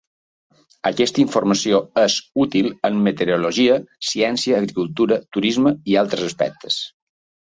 Aquesta informació és útil en meteorologia, ciència, agricultura, turisme, i altres aspectes.